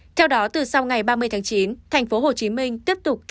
theo đó từ sau ngày ba mươi tháng chín tp hcm tiếp tục kiểm tra